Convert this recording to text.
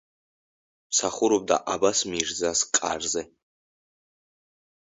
მსახურობდა აბას-მირზას კარზე.